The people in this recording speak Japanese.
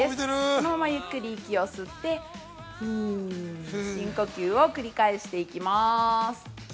そのままゆっくり息を吸ってふう深呼吸を繰り返していきます。